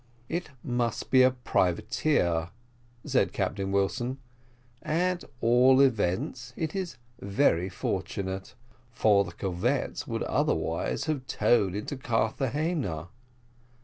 "It must be a privateer," said Captain Wilson, "at all events, it is very fortunate, for the corvette would otherwise have towed into Carthagena.